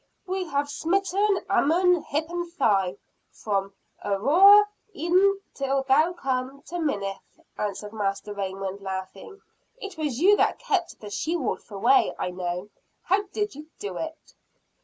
"We have smitten Ammon, hip and thigh, from Aroer even till thou come to Minnith!" answered Master Raymond, laughing. "It was you that kept the she wolf away, I know. How did you do it?"